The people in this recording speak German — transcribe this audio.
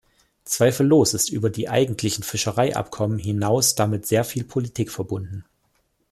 Zweifellos ist über die eigentlichen Fischereiabkommen hinaus damit sehr viel Politik verbunden.